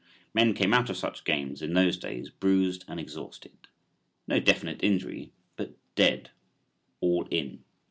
Men came out of such games in those days bruised and exhausted, no definite injury but "dead," "all in."